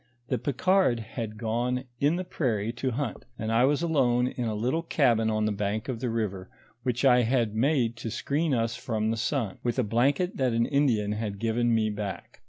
The Picard had gone in the prairie to hunt, and I was alone in a little cabin on the bank of the river, which I had made to screen us from the sun, with a blanket that an Indian had given me back.